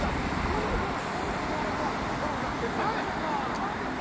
どのようなコースなのか説明お願いします。